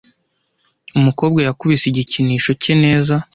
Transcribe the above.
Umukobwa yakubise igikinisho cye neza.